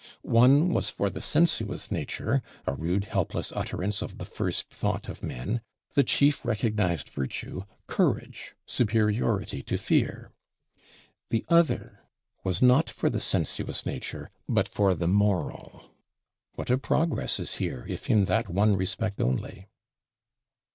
One was for the sensuous nature; a rude helpless utterance of the first Thought of men, the chief recognized Virtue, Courage, Superiority to Fear. The other was not for the sensuous nature, but for the moral. What a progress is here, if in that one respect only!